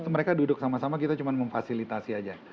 mereka duduk sama sama kita cuma memfasilitasi aja